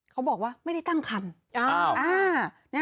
เขาบอกว่าไม่ได้ตั้งคัน